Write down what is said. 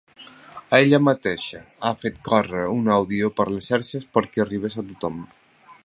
Ella mateixa ha fet córrer un àudio per les xarxes perquè arribés a tothom.